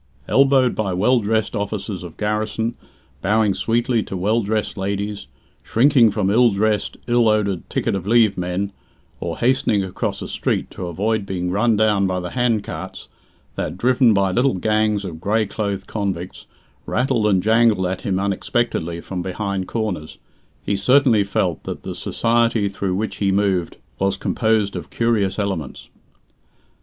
Elbowed by well dressed officers of garrison, bowing sweetly to well dressed ladies, shrinking from ill dressed, ill odoured ticket of leave men, or hastening across a street to avoid being run down by the hand carts that, driven by little gangs of grey clothed convicts, rattled and jangled at him unexpectedly from behind corners, he certainly felt that the society through which he moved was composed of curious elements.